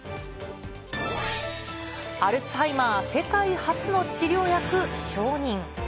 アルツハイマー世界初の治療薬承認。